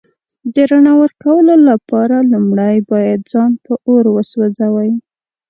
د رڼا ورکولو لپاره لومړی باید ځان په اور وسوځوئ.